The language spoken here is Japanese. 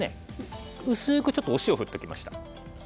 薄くちょっとお塩を振っておきました。